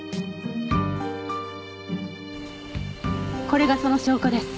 これがその証拠です。